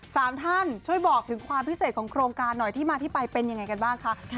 สามท่านช่วยบอกถึงความพิเศษของโครงการหน่อยที่มาที่ไปเป็นยังไงกันบ้างคะ